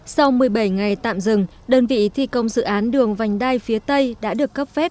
sau một mươi bảy ngày tạm dừng đơn vị thi công dự án đường vành đai phía tây đã được cấp phép